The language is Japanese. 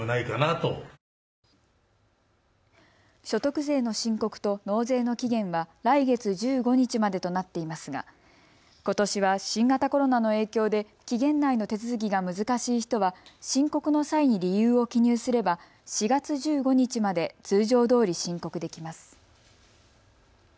所得税の申告と納税の期限は来月１５日までとなっていますがことしは新型コロナの影響で期限内の手続きが難しい人は申告の際に理由を記入すれば、４月１５日まで通常どおり申告できます。